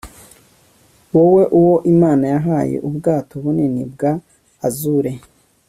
Wowe uwo Imana yahaye ubwato bunini bwa azure